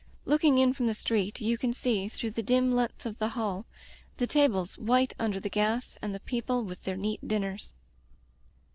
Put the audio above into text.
Looking in from the street you can see, through the dim length of the hall, the tables white under the gas, and the people with their neat dinners.